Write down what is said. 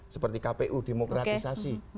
seperti kpu demokratisasi